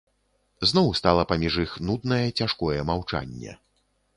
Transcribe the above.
Зноў стала паміж іх нуднае цяжкое маўчанне.